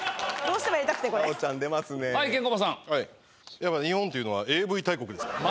やっぱ日本って言うのはＡＶ大国ですからね。